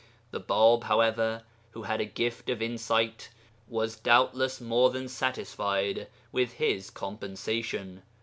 The Bāb, however, who had a gift of insight, was doubtless more than satisfied with his compensation.